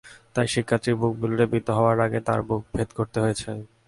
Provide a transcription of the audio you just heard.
তাই শিক্ষার্থীর বুক বুলেটে বিদ্ধ হওয়ার আগে তাঁর বুক ভেদ করতে হয়েছে।